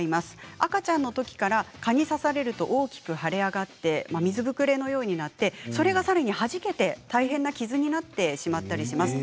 赤ちゃんのときから蚊に刺されると大きく腫れ上がって水ぶくれのようになってそれがさらにはじけて大変な傷になってしまったりします。